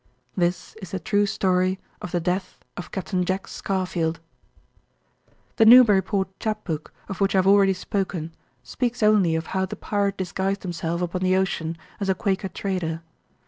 This is the true story of the death of Capt. Jack Scarfield. The Newburyport chap book, of which I have already spoken, speaks only of how the pirate disguised himself upon the ocean as a Quaker trader.